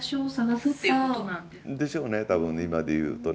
でしょうね、多分今でいうとね。